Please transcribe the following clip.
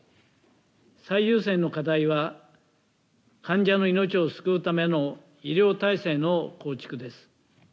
最優先の課題は患者の命を救うための医療体制の構築です。